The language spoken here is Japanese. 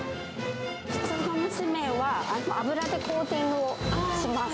普通の蒸し麺は、油でコーティングをします。